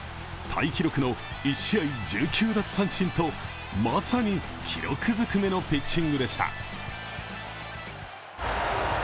タイ記録の１試合１９奪三振とまさに記録ずくめのピッチングでした。